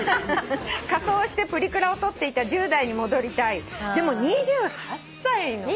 「仮装してプリクラを撮っていた１０代に戻りたい」でも２８歳のね。